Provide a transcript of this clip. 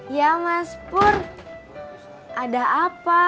ya mas pur ada apa